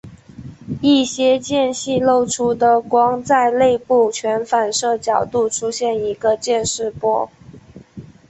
一些间隙漏出的光在内部全反射角度出现一个渐逝波。